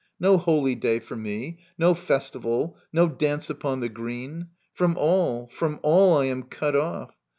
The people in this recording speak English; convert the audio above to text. No holy day for me, no festival. No dance upon the green ! From all, from all I am cut off.